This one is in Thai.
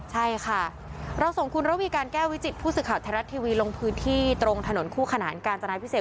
ใช่ค่ะเราส่งคุณระวีการแก้ววิจิตผู้สื่อข่าวไทยรัฐทีวีลงพื้นที่ตรงถนนคู่ขนานกาญจนาพิเศษ